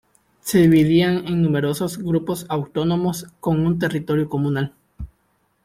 Se dividían en numerosos grupos autónomos, con un territorio comunal.